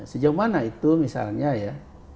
sejauh mana itu misalnya ya